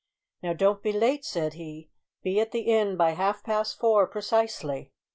"Now don't be late," said he; "be at the inn by half past four precisely."